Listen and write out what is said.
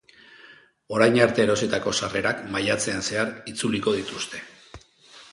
Orain arte erositako sarrerak maiatzean zehar itzuliko dituzte.